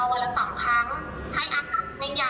ที่บอกเลย๑๖๖๘๑๖๖๙สัมผัสได้ได้อย่างคือโทรไม่ได้อย่างนี้ค่ะ